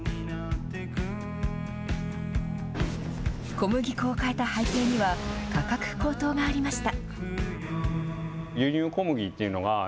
小麦粉を変えた背景には価格高騰がありました。